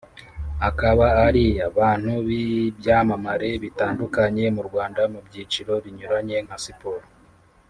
akaba aria bantu b’ibyamamare bitandukanye mu Rwanda mu byiciro binyuranye nka siporo